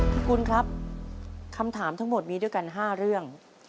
กุลครับคำถามทั้งหมดมีด้วยกัน๕เรื่อง